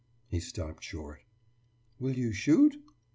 « He stopped short. »Will you shoot?